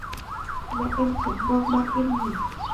Mẹ em khấn mong bạn yên nghỉ